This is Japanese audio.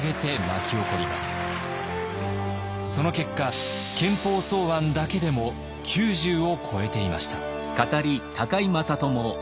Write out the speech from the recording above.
その結果憲法草案だけでも９０を超えていました。